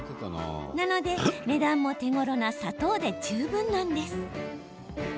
なので、値段も手ごろな砂糖で十分なんです。